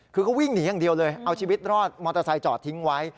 คือเขาวิ่งหนีอย่างเดียวเลยเอาชีวิตรอดมอเตอร์ไซค์จอดทิ้งไว้